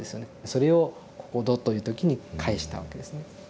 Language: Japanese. それを「ここぞ」という時に返したわけですね。